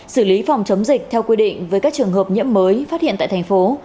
xử lý phòng chống dịch theo quy định với các trường hợp nhiễm mới phát hiện tại thành phố